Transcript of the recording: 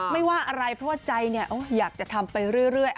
ไม่ว่าอะไรเพราะว่าใจอยากจะทำไปเรื่อย